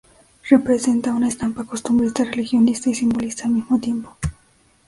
Representa una estampa costumbrista, regionalista y simbolista al mismo tiempo.